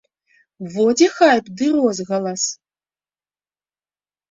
Во дзе хайп ды розгалас.